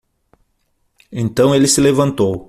Então ele se levantou.